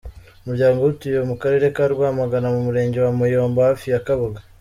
Umuryango we utuye mu karere ka Rwamagana mu murenge wa Muyombo hafi na Kabuga.